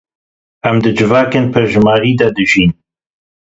Em di civakên pirjimarî de dijîn.